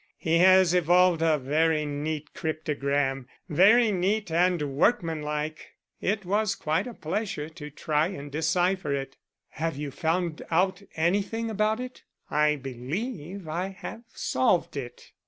He has evolved a very neat cryptogram very neat and work manlike. It was quite a pleasure to try and decipher it." "Have you found out anything about it?" "I believe I have solved it."